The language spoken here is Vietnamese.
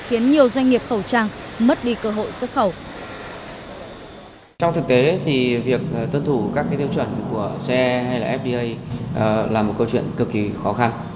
khiến nhiều doanh nghiệp khẩu trang mất đi cơ hội xuất khẩu